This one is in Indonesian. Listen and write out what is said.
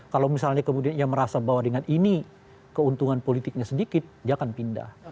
kalau misalnya kemudian ia merasa bahwa dengan ini keuntungan politiknya sedikit dia akan pindah